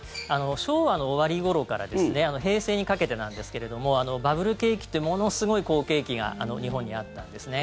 昭和の終わりごろから平成にかけてなんですがバブル景気っていうものすごい好景気が日本にあったんですね。